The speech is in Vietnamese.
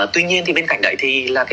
tuy nhiên bên cạnh đấy